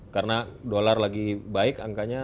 karena dolar lagi baik angkanya